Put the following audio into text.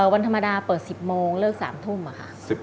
วันธรรมดาเปิด๑๐โมงเลิก๓ทุ่มค่ะ